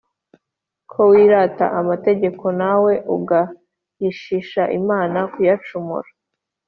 Ko wirata amategeko, nawe ugayishisha Imana kuyacumura?